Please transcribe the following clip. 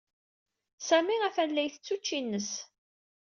Sami atan la isett učči-ines.